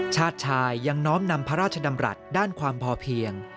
ชาติชายยังน้อมนำพระราชดำรัฐด้านความพอเพียง